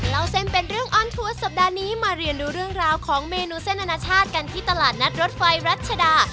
เล่าเส้นเป็นเรื่องออนทัวร์สัปดาห์นี้มาเรียนดูเรื่องราวของเมนูเส้นอนาชาติกันที่ตลาดนัดรถไฟรัชดา